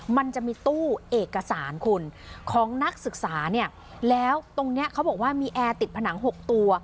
มันจะมีตู้เอกสารคุณของนักศึกษาเนี่ยแล้วตรงเนี้ยเขาบอกว่ามีแอร์ติดผนัง๖ตัว